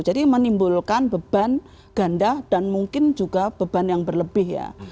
jadi menimbulkan beban ganda dan mungkin juga beban yang berlebih ya